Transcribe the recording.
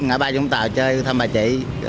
ở ba vũng tàu chơi thăm bà chị